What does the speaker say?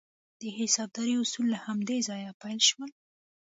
د حسابدارۍ اصول له همدې ځایه پیل شول.